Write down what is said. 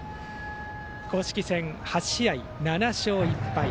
公式戦８試合７勝１敗。